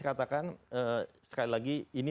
katakan sekali lagi ini